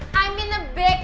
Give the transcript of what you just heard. kalau bisa enggak